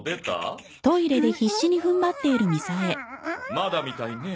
まだみたいね。